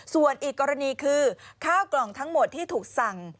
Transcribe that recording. ส่วนอีกกรณีคือข้าวกล่องทั้งหมดที่ถูกสั่ง